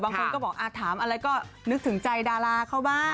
บางคนก็บอกถามอะไรก็นึกถึงใจดาราเขาบ้าง